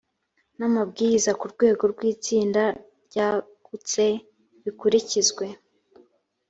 n’amabwiriza ku rwego rw’itsinda ryagutse bikurikizwe